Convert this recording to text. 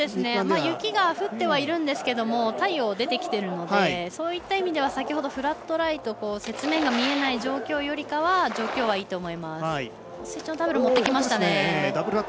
雪が降ってはいるんですけど太陽、出てきているのでそういった意味では先ほどの雪面が見えない状況よりかは状況いいと思います。